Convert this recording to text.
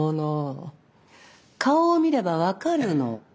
顔を見れば分かるの。